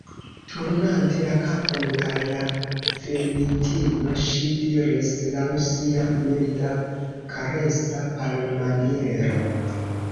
Turnante la kapon al la venintino, ŝi diris laŭ sia milda, karesa parolmaniero: